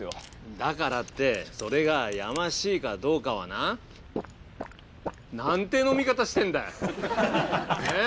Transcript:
だからってそれがやましいかどうかはな。なんて飲み方してんだよ！えっ？